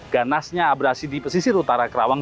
ganasnya abrasi di pesisir utara kerawang